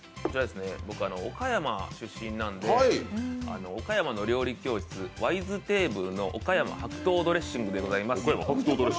岡山出身なんで、岡山の料理教室、Ｙ’ｓｔａｂｌｅの岡山白桃ドレッシングでございます。